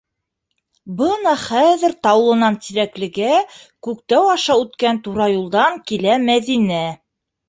Бына хәҙер Таулынан Тирәклегә Күктау аша үткән тура юлдан килә Мәҙинә.